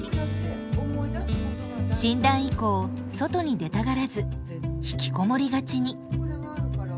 診断以降外に出たがらず引きこもりがちに。